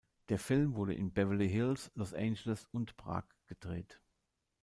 Der Film wurde in Beverly Hills, Los Angeles und Prag gedreht.